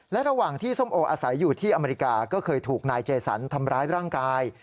และระหว่างที่ส้มโออาศัยอยู่ที่อเมริกาก็เคยถูกนายเจสันทำร้ายร่างกาย